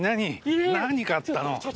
何があったの？